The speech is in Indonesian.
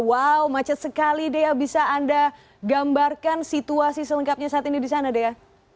wow macet sekali dea bisa anda gambarkan situasi selengkapnya saat ini di sana dea